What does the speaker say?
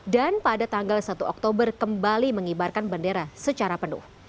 dan pada tanggal satu oktober kembali mengibarkan bendera secara penuh